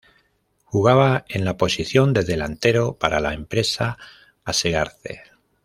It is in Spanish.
Jugaba en la posición de "delantero", para la empresa Asegarce.